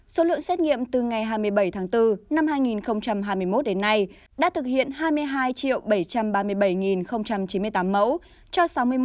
số lượng xét nghiệm từ ngày hai mươi bảy tháng bốn năm hai nghìn hai mươi một đến nay đã thực hiện hai mươi hai bảy trăm ba mươi bảy chín mươi tám mẫu cho sáu mươi một sáu trăm ba mươi sáu bốn trăm bốn mươi ba lượt người